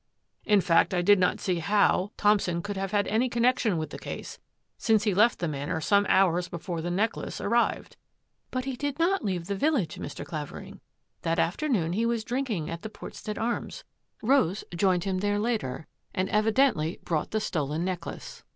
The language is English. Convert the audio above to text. " In fact, I did not see how — Thompson could have had any connection with the case, since he left the Manor some hours before the necklace arrived." " But he did not leave the village, Mr. Clavering. That afternoon he was drinking at the Portstead Arms. Rose joined him there later and evidently brought the stolen necklace.